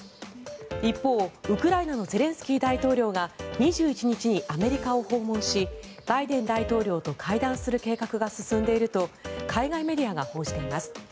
一方、ウクライナのゼレンスキー大統領が２１日にアメリカを訪問しバイデン大統領と会談する計画が進んでいると海外メディアが報じています。